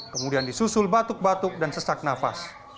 kemudian disusul batuk batuk dan sesak nafas